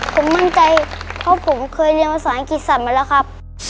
ผมมั่นใจเพราะผมเคยเรียนภาษาอังกฤษสัตว์มาแล้วครับ